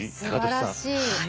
すばらしい。